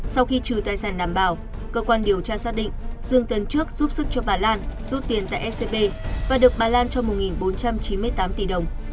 sau khi trừ tài sản đảm bảo cơ quan điều tra xác định dương tấn trước giúp sức cho bà lan rút tiền tại scb và được bà lan cho một bốn trăm chín mươi tám tỷ đồng